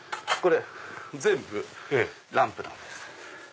全部ランプなんです。